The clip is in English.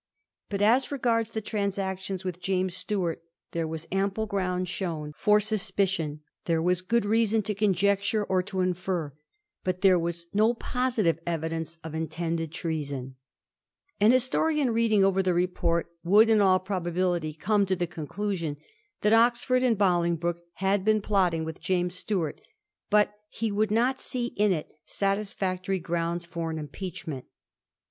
But as regards the transactions with James Stuart there was ample ground shown for Digiti zed by Google 1716 'MOST CONTAGIOUS TREASON/ 141 suspicion, there was good reason to conjecture or to infer, but there was no positive evidence of intended treason. An historian reading over the report would in all probability come to the conclusion that Oxford and Bolingbroke had been plotting with James Stuart, but he would not see in it satisfactory grounds for an impeachment.